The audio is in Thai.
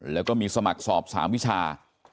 แล้วก็มีสมัครสอบ๓วิชา